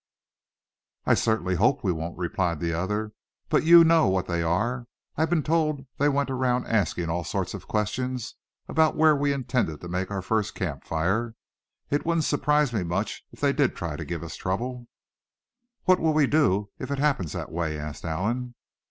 "I certainly hope we won't," replied the other; "but you know what they are; and I've been told that they went around asking all sorts of questions about where we intended to make our first camp fire. It wouldn't surprise me much if they did try to give us trouble." "What will we do if it happens that way?" asked Allan.